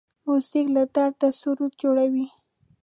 موزیک له درده سرود جوړوي.